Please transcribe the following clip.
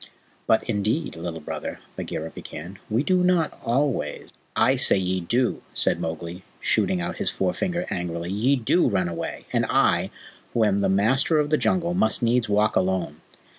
"But, indeed, Little Brother," Bagheera began, "we do not always " "I say ye do," said Mowgli, shooting out his forefinger angrily. "Ye DO run away, and I, who am the Master of the Jungle, must needs walk alone.